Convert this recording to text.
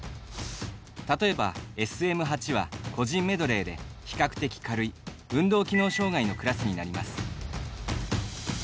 例えば、ＳＭ８は個人メドレーで比較的軽い運動機能障がいのクラスになります。